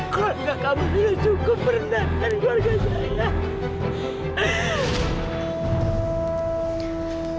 keluarga kamu sudah cukup rendah dari keluarga saya